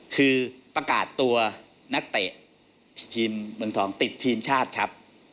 คือประกาศตัวนักเตะทีมเมืองทองติดทีมชาติครับ